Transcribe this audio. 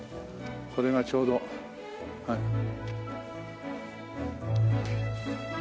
これがちょうどはい。